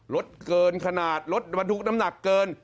รถเกินขนาดรถบรรทุกน้ำหนักเกิน